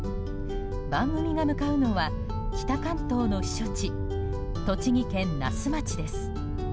番組が向かうのは北関東の避暑地栃木県那須町です。